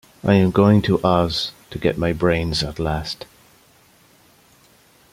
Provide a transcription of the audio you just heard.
I am going to Oz to get my brains at last.